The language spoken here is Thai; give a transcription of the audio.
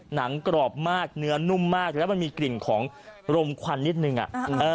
กรอบมากเนื้อนุ่มมากแล้วมันมีกลิ่นของรมควันนิดนึงอ่ะ